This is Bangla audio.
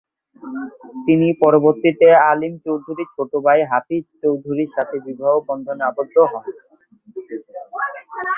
তিনি পরবর্তীতে আলীম চৌধুরীর ছোট ভাই হাফিজ চৌধুরীর সাথে বিবাহ বন্ধনে আবদ্ধ হন।